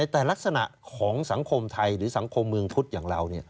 แต่ลักษณะของสังคมไทยหรือสังคมเมืองพุทธอย่างเรา